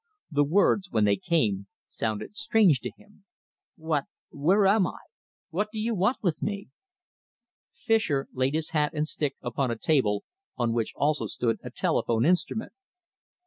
The words, when they came, sounded strange to him. "What where am I? What do you want with me?" Fischer laid his hat and stick upon a table, on which also stood a telephone instrument.